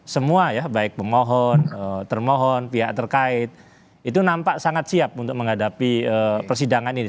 semua ya baik pemohon termohon pihak terkait itu nampak sangat siap untuk menghadapi persidangan ini